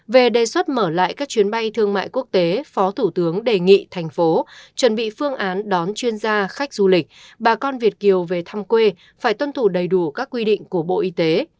về đề xuất mở lại các chuyến bay thương mại quốc tế phó thủ tướng đề nghị thành phố chuẩn bị phương án đón chuyên gia khách du lịch bà con việt kiều về thăm quê phải tuân thủ đầy đủ các quy định của bộ y tế